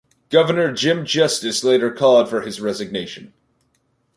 Governor Jim Justice later called for his resignation.